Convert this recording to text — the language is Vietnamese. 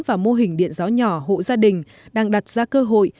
và mô hình điện gió nhỏ hộ gia đình đang đặt ra cơ hội